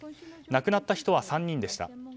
亡くなった人は３人でした。